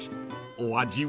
お味は？］